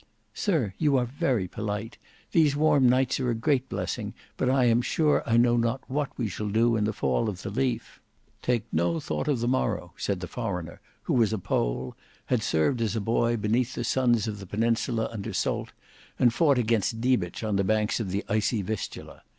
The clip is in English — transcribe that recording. "Sir, you are very polite. These warm nights are a great blessing, but I am sure I know not what we shall do in the fall of the leaf." "Take no thought of the morrow," said the foreigner, who was a Pole; had served as a boy beneath the suns of the Peninsula under Soult and fought against Diebitsch on the banks of the icy Vistula.